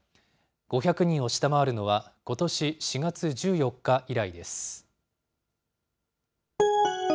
５００人を下回るのは、ことし４月１４日以来です。